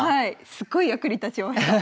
すっごい役に立ちました。